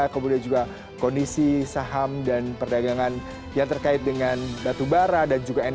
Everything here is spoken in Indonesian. kemudian juga kondisi saham dan perdagangan yang terkait dengan batu bara dan juga air pekan